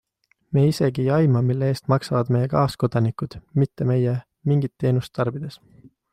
Me isegi ei aima, mille eest maksavad meie kaaskodanikud, mitte meie mingit teenust tarbides.